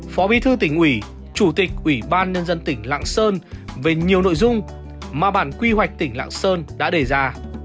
phó bí thư tỉnh ủy chủ tịch ủy ban nhân dân tỉnh lạng sơn về nhiều nội dung mà bản quy hoạch tỉnh lạng sơn đã đề ra